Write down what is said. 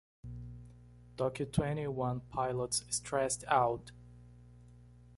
Toque twenty one pilots Stressed Out.